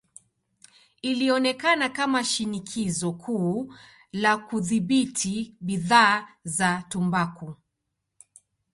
Ilionekana kama shinikizo kuu la kudhibiti bidhaa za tumbaku.